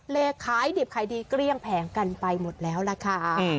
เลขขายดิบขายดีเกลี้ยงแผงกันไปหมดแล้วล่ะค่ะ